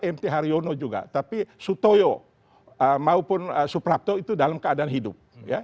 mt haryono juga tapi sutoyo maupun suprapto itu dalam keadaan hidup